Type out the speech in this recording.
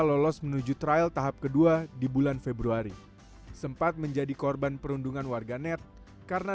lolos menuju trial tahap kedua di bulan februari sempat menjadi korban perundungan warganet karena